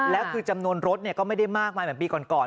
แล้วคือจำนวนรถก็ไม่ได้มากมายเหมือนปีก่อน